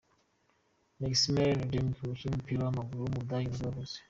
Maximilian Riedmüller, umukinnyi w’umupira w’amaguru w’umudage nibwo yavutse.